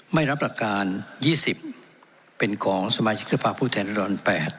ไม่รับหลักการ๒๐เป็นของสมาชิกสภาพผู้แทนรัดดร๘